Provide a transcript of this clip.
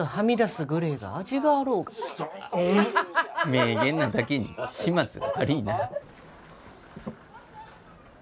名言なだけに始末が悪いな。